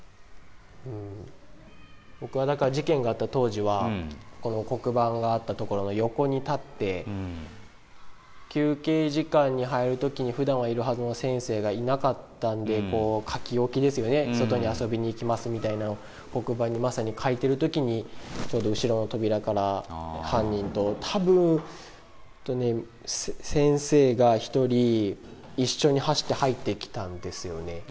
僕は、だから、事件があった当時は、この黒板があった所の横に立って、休憩時間に入るときに、ふだんはいるはずの先生がいなかったんで、書き置きですよね、外に遊びに行きますみたいなんを黒板にまさに書いてるときに、ちょうど後ろの扉から、犯人と、たぶん、先生が１人、一緒に走って入ってきたんですよね。